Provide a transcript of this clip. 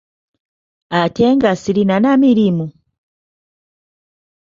Ate nga sirina na mirimu?